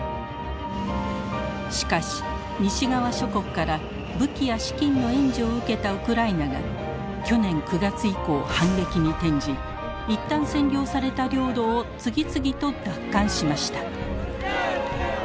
しかし西側諸国から武器や資金の援助を受けたウクライナが去年９月以降反撃に転じ一旦占領された領土を次々と奪還しました。